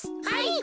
はい！